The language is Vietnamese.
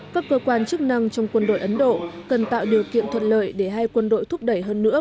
các cơ quan chức năng trong quân đội ấn độ cần tạo điều kiện thuận lợi để hai quân đội thúc đẩy hơn nữa